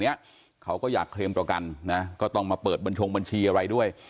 เนี้ยเขาก็อยากเคลมประกันนะก็ต้องมาเปิดบัญชงบัญชีอะไรด้วย